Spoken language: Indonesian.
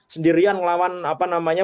sendirian ngelawan apa namanya